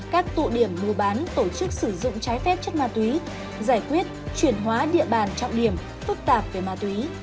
các tụ điểm mua bán tổ chức sử dụng trái phép chất ma túy giải quyết chuyển hóa địa bàn trọng điểm phức tạp về ma túy